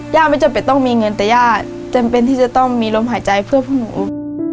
ยาไม่จบไปต้องมีเงินแต่ยาเต็มเป็นที่จะต้องมีรมหายใจเพื่อผู้หนู